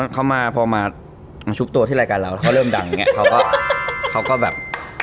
เขามาพอมาชุบตัวที่รายการเราเขาเริ่มดังอย่างเงี้เขาก็เขาก็แบบ